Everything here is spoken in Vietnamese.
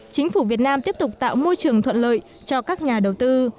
chính phủ việt nam tiếp tục tạo môi trường thuận lợi cho các nhà đầu tư